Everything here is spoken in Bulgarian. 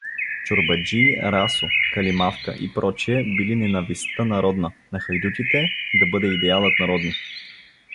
Чорбаджии, расо, калимавка и пр. били ненавистта народна, а хайдутите, да бъде идеалът народни!